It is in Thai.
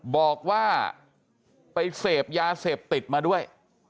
บอกว่าไปเสพยาเสพติดมาด้วย